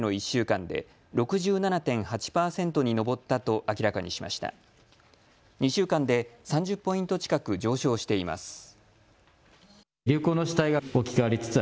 ２週間で３０ポイント近く上昇しています。